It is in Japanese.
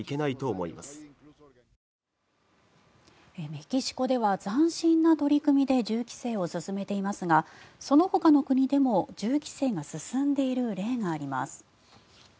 メキシコでは斬新な取り組みで銃規制を進めていますがそのほかの国でも銃規制が進んでいる例があります。